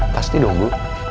pasti dong bu